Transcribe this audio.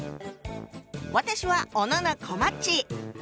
私は小野こまっち。